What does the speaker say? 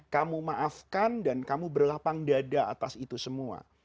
kamu maafkan dan kamu berlapang dada atas itu semua